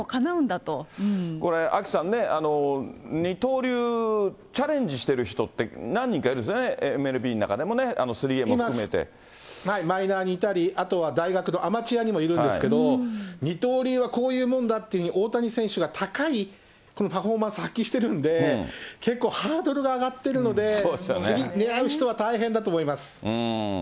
これ、アキさんね、二刀流チャレンジしている人って、何人かいるんですよね、ＭＬＢの中でもね、マイナーにもいたり、あとは大学のアマチュアにもいるんですけども、二刀流はこういうもんだって、大谷選手が高いパフォーマンスを発揮してるんで、結構、ハードルが上がってるので、次狙う人は大変だと思います。